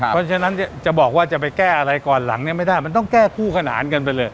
เพราะฉะนั้นจะบอกว่าจะไปแก้อะไรก่อนหลังเนี่ยไม่ได้มันต้องแก้คู่ขนานกันไปเลย